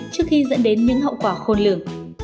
trước khi dẫn đến những hậu quả khôn lửa